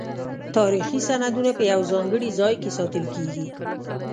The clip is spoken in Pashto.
تاریخي سندونه په یو ځانګړي ځای کې ساتل کیږي.